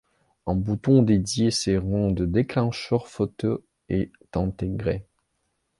Un bouton dédié servant de déclencheur photo est intégré.